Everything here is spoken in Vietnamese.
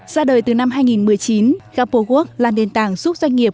ra đời từ năm hai nghìn một mươi chín gapowork là nền tảng giúp doanh nghiệp